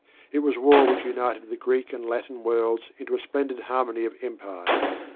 It was war which united the Greek and Latin worlds into a splendid harmony of empire.